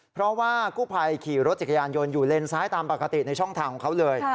เพราะว่ากู้ภัยขี่รถจักรยานยนต์อยู่เลนซ้ายตามปกติในช่องทางของเขาเลย